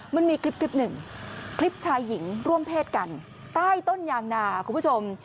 มันมีคลิปหนึ่งคลิปชายหญิงร่วมเพศกันใต้ต้นยางนาคุณผู้ชม